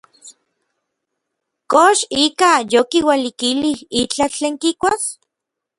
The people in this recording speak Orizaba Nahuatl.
¿Kox ikaj yokiualikilij itlaj tlen kikuas?